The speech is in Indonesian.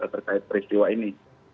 terkait peristiwa ini